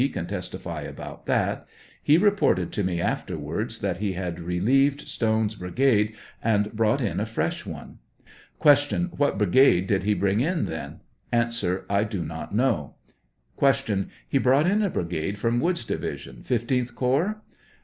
can testify about that ; he reported to me afterwards that he had relieved Stone's brigade and brought in a fresh one. Q, What brigade did he bring in then ? A. I do not know. Q. He brought in a brigade from Woods' division, 15th corps?